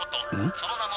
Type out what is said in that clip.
その名も。